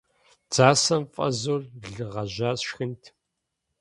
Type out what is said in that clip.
Дзасэм фӏэзу лы гъэжьа сшхынт!